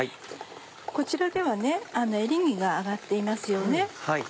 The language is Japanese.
こちらではエリンギが揚がっていますよね。